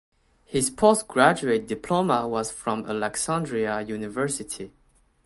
His postgraduate diploma was from Alexandria University.